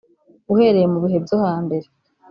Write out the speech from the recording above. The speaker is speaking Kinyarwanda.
uhereye mu bihe byo hambere